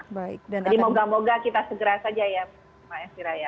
jadi moga moga kita segera saja ya pak eskira